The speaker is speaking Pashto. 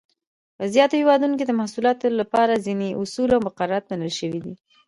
په زیاتو هېوادونو کې د محصولاتو لپاره ځینې اصول او مقررات منل شوي دي.